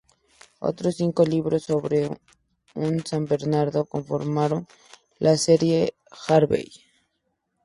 Otros cinco libros sobre un San Bernardo conformaron la serie "Harvey".